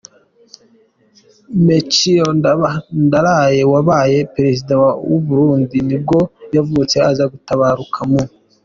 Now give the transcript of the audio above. Melchior Ndadaye, wabaye perezida wa w’uburundi nibwo yavutse, aza gutabaruka mu .